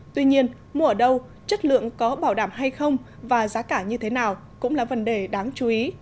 tuy nhiên mua ở đâu chất lượng có bảo đảm hay không và giá cả như thế nào cũng là vấn đề đáng chú ý